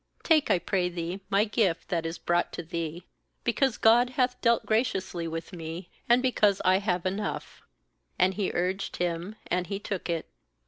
"Take, I pray thee, my gift that is brought to thee; because God hath » Heb. PenueL b That is, Booths. dealt graciously with me, and because I have enough.' And he urged him, and he took it.